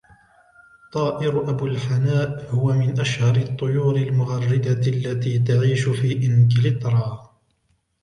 طائر ابو الحناء هو من اشهر الطيور المغردة التي تعيش في انكلترا.